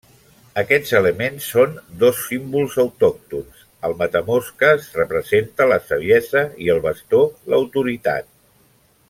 Aquests elements són dos símbols autòctons: el matamosques representa la saviesa i el bastó l'autoritat.